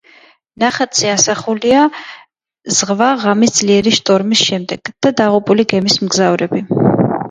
ნახატზე ასახულია ზღვა ღამის ძლიერი შტორმის შემდეგ და დაღუპული გემის მგზავრები.